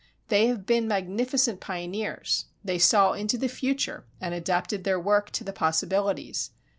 ... They have been magnificent pioneers. They saw into the future and adapted their work to the possibilities.